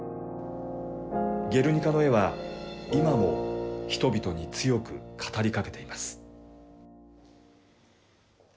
ゲルニカの絵は、今も人々に強く語りかけています。